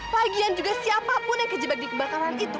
pagian juga siapapun yang kejebak di kebakaran itu